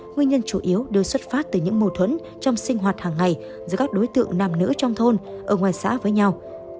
nguyên nhân chủ yếu đều xuất phát từ những mô thuẫn trong sinh hoạt hàng ngày giữa các đối tượng nam nữ trong thôn ở ngoài xã với nhau